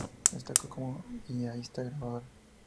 Se destacó como yihadista grabadora.